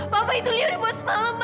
papa itu liur dibuat semalam